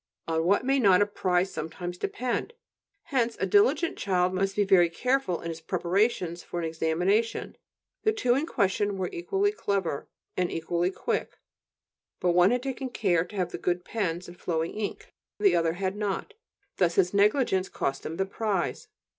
On what may not a prize sometimes depend! Hence a diligent child must be very careful in his preparations for an examination; the two in question were equally clever and equally quick; but one had taken care to have good pens and flowing ink, and the other had not. Thus his negligence cost him the prize.